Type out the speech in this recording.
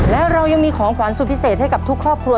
และเรายังมีของขวัญสุดพิเศษให้กับทุกครอบครัว